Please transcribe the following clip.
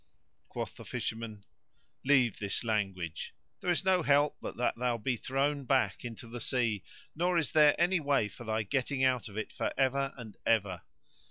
Quoth the Fisherman, "Leave this language: there is no help but that thou be thrown back into the sea nor is there any way for thy getting out of it for ever and ever.